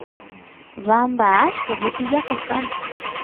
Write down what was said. bamba achka butijayoq kan